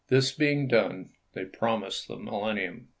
This being done, they promised the millennium.